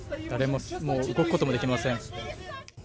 誰も、もう動くこともできません。